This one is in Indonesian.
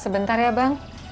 sebentar ya bang